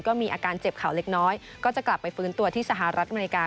ก็มีอาการเจ็บเขาเล็กน้อยก็จะกลับไปฟื้นตัวที่สหรัฐอเมริกา